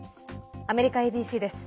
アメリカＡＢＣです。